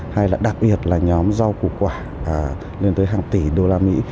hay là đặc biệt là nhóm rau củ quả lên tới hàng tỷ đô la mỹ